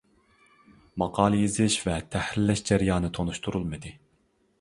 ماقالە يېزىش ۋە تەھرىرلەش جەريانى تونۇشتۇرۇلمىدى.